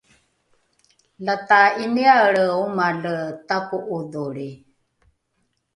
lata ’iniaelre omale tako’odholri!